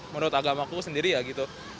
menurut agamaku sendiri ya gitu